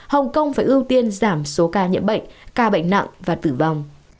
hồng kông phải ưu tiên giảm số ca nhiễm bệnh ca bệnh nặng và tử vong